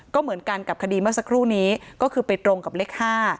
ก็เหมือนกันกับคดีเมื่อสักครู่นี้ก็คือไปตรงกับเลข๕